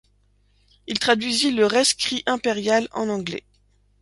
Il traduisit le Rescrit impérial en anglais.